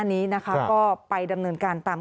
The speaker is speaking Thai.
มีเอกสารอะไรบ้างคะท่าน